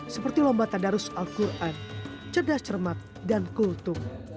seperti lomba tadarus al quran cerdas cermat dan kultum